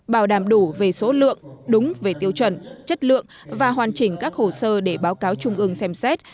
bảo đảm đủ về số lượng đúng về tiêu chuẩn chất lượng và hoàn chỉnh các hồ sơ để báo cáo trung ương xem xét